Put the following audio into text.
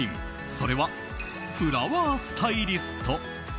それは、フラワースタイリスト。